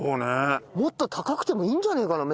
もっと高くてもいいんじゃないかな？